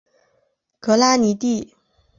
格拉蒂尼。